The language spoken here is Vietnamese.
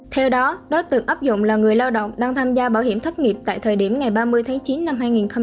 theo đó đối tượng áp dụng là người lao động đang tham gia bảo hiểm thất nghiệp tại thời điểm ngày ba mươi tháng chín năm hai nghìn hai mươi